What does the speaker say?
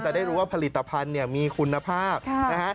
จะได้รู้ว่าผลิตภัณฑ์มีคุณภาพนะฮะ